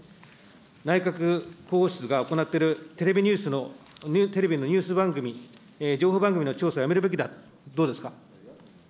内閣広報室が行っているテレビニュースの、テレビのニュース番組、情報番組の調査はやめるべきだ、どうですか。